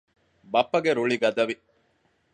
ބައްޕަގެ ރުޅި ގަދަވި